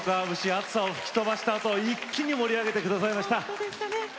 暑さを吹き飛ばしたあと一気に盛り上げてくれました。